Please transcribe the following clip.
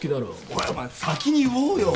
お前先に言おうよ。